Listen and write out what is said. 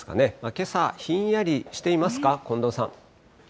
けさ、ひんやりしていますか、近藤さん。